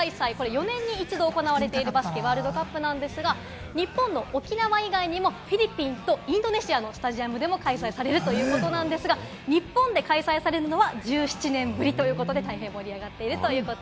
４年に一度、行われているバスケワールドカップなんですが、日本の沖縄以外にもフィリピンとインドネシアのスタジアムでも開催されるということなんですが、日本で開催されるのは１７年ぶりということで盛り上がっています。